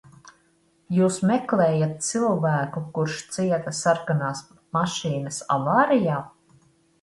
Jūs meklējat cilvēku, kurš cieta sarkanās mašīnas avārijā?